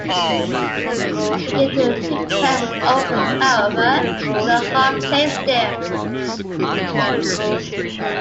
The gate to the pigpen was open, however, and the hog chased him.